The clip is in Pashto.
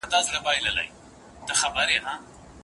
بریالي کسان په خپل ژوند کي خوشاله دي.